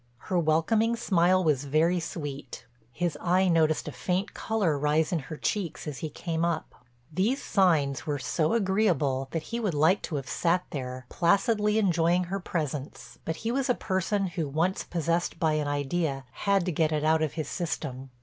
Her welcoming smile was very sweet; his eye noticed a faint color rise in her cheeks as he came up. These signs were so agreeable that he would like to have sat there, placidly enjoying her presence, but he was a person who once possessed by an idea "had to get it out of his system."